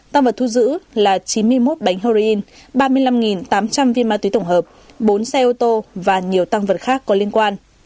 tăng vật thu giữ là chín mươi một bánh heroin ba mươi năm tám trăm linh viên ma túy tổng hợp bốn xe ô tô và nhiều tăng vật khác có liên quan